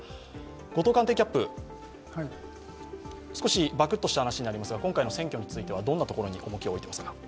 後藤官邸キャップ、少し漠とした話になりますが今回の選挙どんなところに重点を置いていますか？